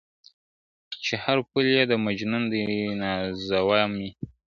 چي هر پل یې د مجنون دی نازوه مي ,